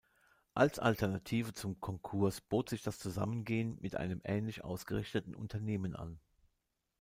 Als Alternative zum Konkurs bot sich das Zusammengehen mit einem ähnlich ausgerichteten Unternehmen an.